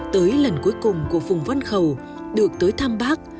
tới lần cuối cùng của phùng văn khẩu được tới thăm bác